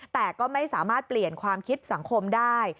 แต่ก็ไม่สามารถเปลี่ยนความคิดสังคมได้